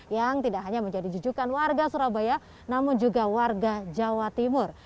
yang tidak hanya menjadi jujukan warga surabaya namun juga warga jawa timur